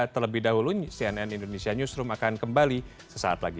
terlebih dahulu cnn indonesia newsroom akan kembali sesaat lagi